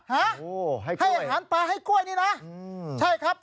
ฮะให้อาหารปลาให้กล้วยนี่นะใช่ครับ